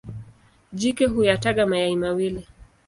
Jike huyataga mayai mawili.